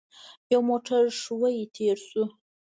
يو موټر ښويه تېر شو.